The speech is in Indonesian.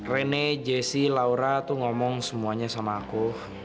rene jessie laura tuh ngomong semuanya sama aku